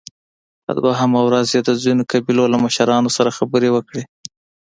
په دوهمه ورځ يې د ځينو قبيلو له مشرانو سره خبرې وکړې